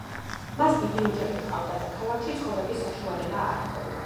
მას დიდი ოჯახი ჰყავდა და ქალაქში ცხოვრების საშუალება არ ჰქონდა.